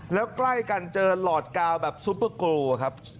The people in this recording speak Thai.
แล้วใกล้กันเจอหลอดกาวแบบซุปเปอร์โกครับ